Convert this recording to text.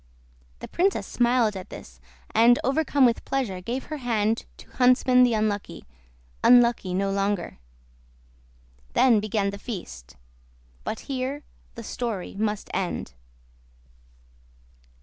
The princess smiled at this, and overcome with pleasure gave her hand to Huntsman the Unlucky—unlucky no longer. Then began the feast. But here the story must end.